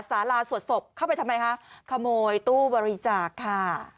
สาราสวดศพเข้าไปทำไมคะขโมยตู้บริจาคค่ะ